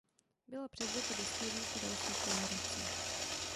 Byla převzata do zpěvníku dalších generací.